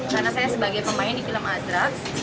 karena saya sebagai pemain di film azraq